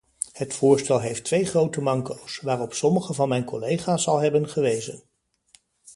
Het voorstel heeft twee grote manco's, waarop sommige van mijn collega's al hebben gewezen.